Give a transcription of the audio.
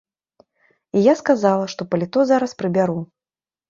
І я сказала, што паліто зараз прыбяру.